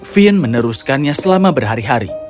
fin meneruskannya selama berhari hari